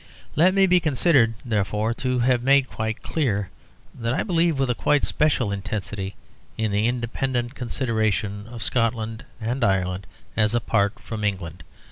Let me be considered therefore to have made quite clear that I believe with a quite special intensity in the independent consideration of Scotland and Ireland as apart from England.